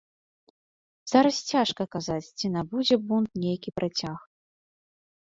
Зараз цяжка казаць, ці набудзе бунт нейкі працяг.